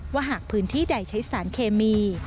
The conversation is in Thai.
หากพื้นที่ใดใช้สารเคมี